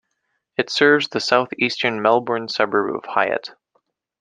It serves the south-eastern Melbourne suburb of Highett.